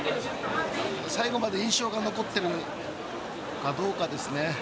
最後まで印象が残ってるかどうかですね